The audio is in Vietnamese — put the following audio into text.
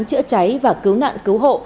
chữa cháy và cứu nạn cứu hộ